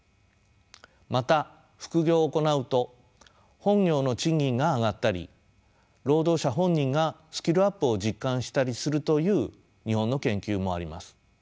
また副業を行うと本業の賃金が上がったり労働者本人がスキルアップを実感したりするという日本の研究もあります。